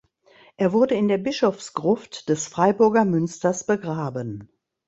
Er wurde in der Bischofsgruft des Freiburger Münsters begraben.